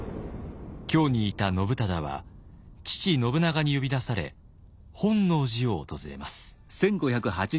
京にいた信忠は父信長に呼び出され本能寺を訪れます。